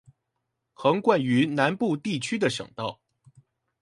橫貫於南部地區的省道